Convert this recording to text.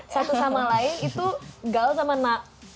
satu sama lain itu gaul sama na